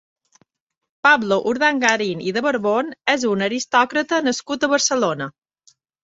Pablo Urdangarín i de Borbón és un aristòcrata nascut a Barcelona.